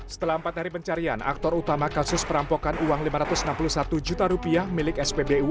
setelah empat hari pencarian aktor utama kasus perampokan uang lima ratus enam puluh satu juta rupiah milik spbu